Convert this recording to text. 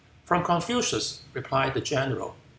"From Confucius," replied the general.